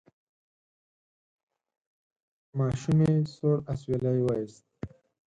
ماشومې سوړ اسویلی وایست: